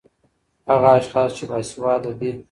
ـ هغه اشخاص چې باسېواده دي